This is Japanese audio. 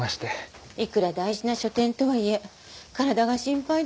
いくら大事な書展とはいえ体が心配だわ。